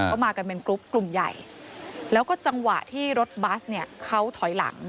ก็มากันเป็นกรุ๊ปกลุ่มใหญ่แล้วก็จังหวะที่รถบัสเนี่ยเขาถอยหลัง